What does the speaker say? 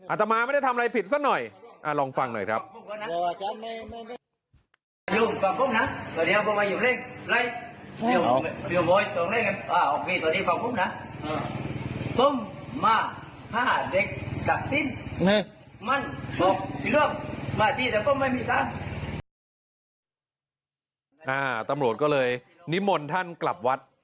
ตมาไม่ได้ทำอะไรผิดซะหน่อยลองฟังหน่อยครับ